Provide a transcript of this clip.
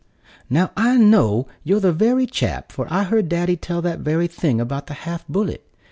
"Now I know you're the very chap, for I heard daddy tell that very thing about the half bullet.